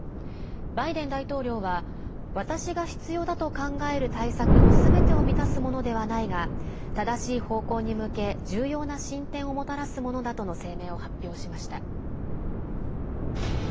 バイデン大統領は私が必要だと考える対策のすべてを満たすものではないが正しい方向に向け重要な進展をもたらすものだとの声明を発表しました。